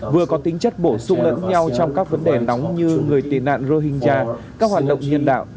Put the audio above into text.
vừa có tính chất bổ sung lẫn nhau trong các vấn đề nóng như người tị nạn rohingya các hoạt động nhân đạo